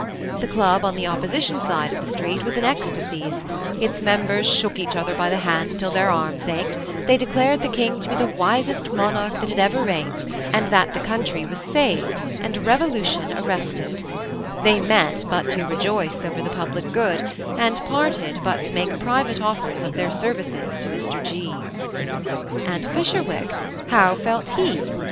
The club on the opposition side of the street was in ecstasies ; its members shook each other by the hand till their arms ached ; they declared the King to be the wisest monarch that had ever reigned, and Mr» G. the greatest states n^n that had ever governed ; that the country was 256 THE SEin ATTACHED COUPLE. saved, and revolution arrested. They met but to re joice over the public good, and parted but to make private offers of their services to Mr. 6. And Fisherwick I how felt he